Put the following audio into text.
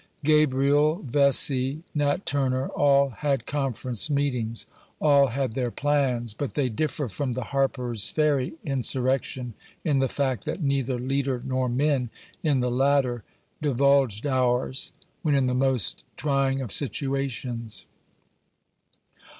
Ga briel, Vesey, Nat Turner, all had conference meetings ; all 8 A VOICE 7B0M HABPXR's FERRY. had their plans; but they differ from the Harper's Ferry in surrection in the fact that neither leader nor men, in the lat ter, divulged ours, when in the most trying of situations.